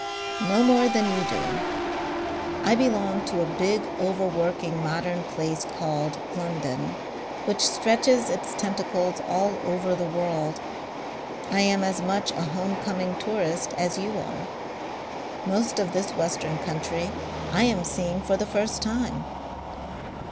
"No more than you do. I belong to a big overworking modern place called London which stretches its tentacles all over the world. I am as much a home coming tourist as you are. Most of this western country I am seeing for the first time."